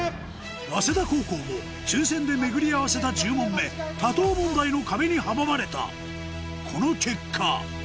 早稲田高校も抽選で巡り合わせた１０問目多答問題の壁に阻まれたこの結果